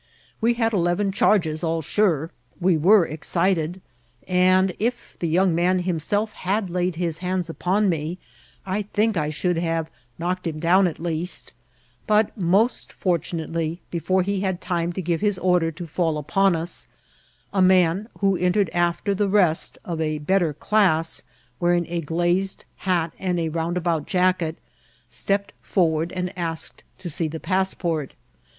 We had eleven charges, all sure ; we were excited, and, if the young man himself had laid his hands upon me, I think I should have knocked him down at least ; but, most fortunately, before he had time to give his order to fall upon us, a man, who entered after the rest, of a better elass, wearing a glazed hat and round about jacket, stepped forward and asked to see the passport.